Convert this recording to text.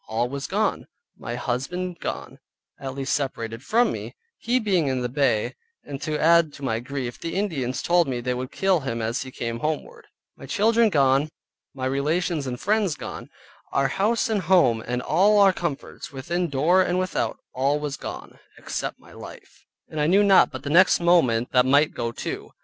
All was gone, my husband gone (at least separated from me, he being in the Bay; and to add to my grief, the Indians told me they would kill him as he came homeward), my children gone, my relations and friends gone, our house and home and all our comforts within door and without all was gone (except my life), and I knew not but the next moment that might go too.